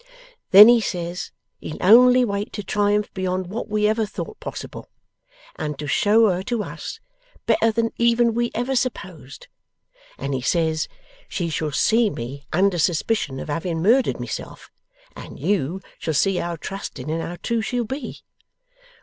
Then he says he'll only wait to triumph beyond what we ever thought possible, and to show her to us better than even we ever supposed; and he says, "She shall see me under suspicion of having murdered myself, and YOU shall see how trusting and how true she'll be."